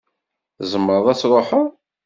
Tzemreḍ ad tṛuḥeḍ.